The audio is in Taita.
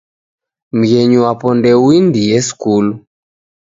Mghenyu wapo ndouendie skulu.